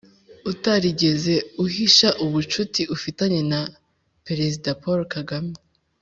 utarigeze ahisha ubucuti afitanye na Perezida Paul Kagame